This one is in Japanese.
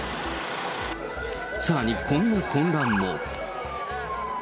さらにこんな混乱も。